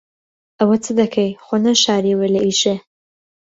ئەوە چ دەکەی؟ خۆ نەشارییەوە لە ئیشێ.